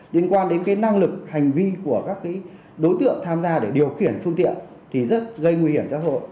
liên quan đến năng lực hành vi của các đối tượng tham gia để điều khiển phương tiện thì rất gây nguy hiểm cho xã hội